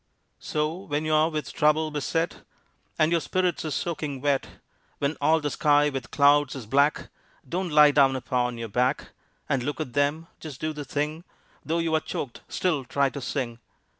So when you're with trouble beset, And your spirits are soaking wet, When all the sky with clouds is black, Don't lie down upon your back And look at them. Just do the thing; Though you are choked, still try to sing.